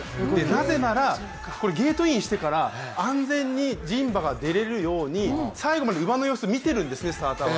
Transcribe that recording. なぜならこれゲートインしてから安全に人馬が出られるように最後まで、馬の様子を見ているんです、スターターは。